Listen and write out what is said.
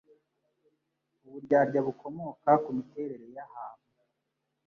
uburyarya bukomoka ku miterere y’ahantu